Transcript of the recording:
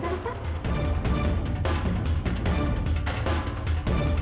tidak ingin logaran pak motivasi ku